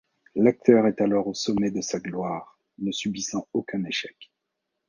L'acteur est alors au sommet de sa gloire, ne subissant aucun échec.